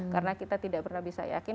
karena kita tidak pernah bisa yakin